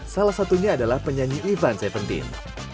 salah satunya adalah penyanyi ivan seventin